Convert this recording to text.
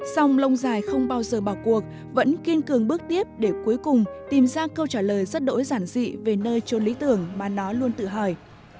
xong lông dài không bao giờ bảo cuộc vẫn kiên cường bước tiếp để cuối cùng tìm ra câu trả lời rất đỗi giản dị về nơi chôn lý tưởng mà nó luôn tự hỏi